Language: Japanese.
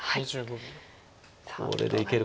これでいけるかどうか。